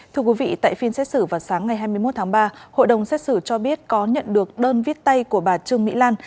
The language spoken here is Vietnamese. thưa quý vị tại phiên xét xử vào sáng ngày hai mươi một tháng ba hội đồng xét xử cho biết có nhận được đơn viết tay của bà trương mỹ lan